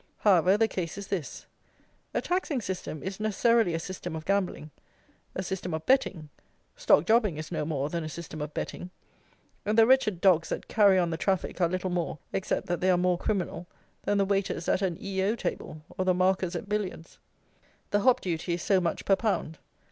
However, the case is this: a taxing system is necessarily a system of gambling; a system of betting; stock jobbing is no more than a system of betting, and the wretched dogs that carry on the traffic are little more, except that they are more criminal, than the waiters at an E O Table, or the markers at billiards. The hop duty is so much per pound.